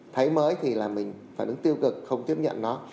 thấy mới thì là mình phải đứng tiêu cực không tiếp nhận nó